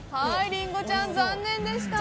りんごちゃん、残念でした。